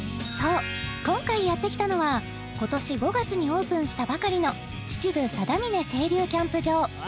そう今回やってきたのは今年５月にオープンしたばかりの秩父定峰清流キャンプ場